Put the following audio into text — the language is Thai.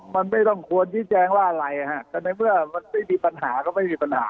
มันไม่ต้องควรชี้แจงว่าอะไรฮะแต่ในเมื่อมันไม่มีปัญหาก็ไม่มีปัญหา